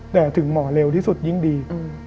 แต่ถึงหมอเร็วที่สุดยิ่งดี